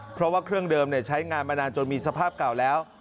เพราะว่าเครื่องเดิมใช้งานมานานจนมีสภาพเก่าแล้ว